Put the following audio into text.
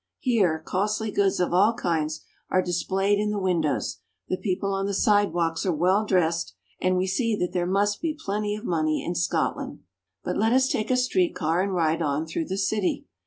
Here costly goods of all kinds are displayed in the windows, the people on the sidewalks are well dressed, and we see that there must be plenty of money in Scotland. But let us take a street car and ride on through the city.